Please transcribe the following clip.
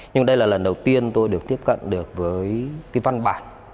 nhưng đây là lần đầu tiên tôi được tiếp cận được với cái văn bản